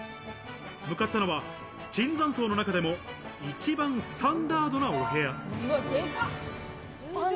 向かったのは、椿山荘の中でも一番スタンダードなお部屋。